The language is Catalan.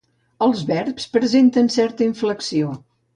Els verbs presenten certa inflexió.